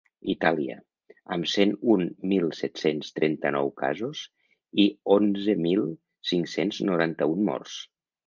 Itàlia, amb cent un mil set-cents trenta-nou casos i onzen mil cinc-cents noranta-un morts.